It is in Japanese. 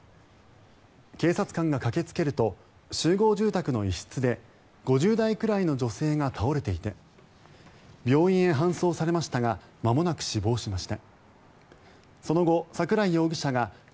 警察官が駆けつけると集合住宅の一室で５０代くらいの女性が倒れていて病院へ搬送されましたがまもなく死亡しました。